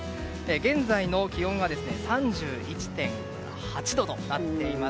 現在の気温は３１．８度となっています。